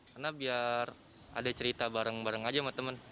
karena biar ada cerita bareng bareng saja dengan teman